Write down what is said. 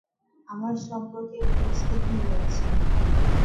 আমার সম্পর্কে পুলিশকে কি বলেছেন?